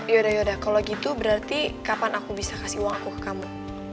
yaudah yaudah kalau gitu berarti kapan aku bisa kasih uangku ke kamu